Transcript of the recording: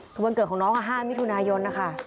คือวันเกิดของน้อง๕มิถุนายนนะคะ